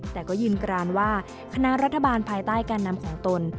แต่ก็ยืนกรานว่าคณะรัฐบาลภายใต้การนำของตน